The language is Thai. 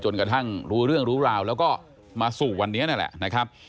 กระทั่งรู้เรื่องรู้ราวแล้วก็มาสู่วันนี้นั่นแหละนะครับ